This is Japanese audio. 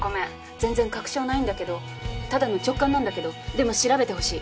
全然確証ないんだけどただの直感なんだけどでも調べてほしい。